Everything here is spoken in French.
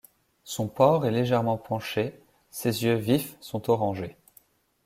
Son port est légèrement penché, ses yeux vifs sont orangés.